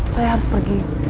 saya harus pergi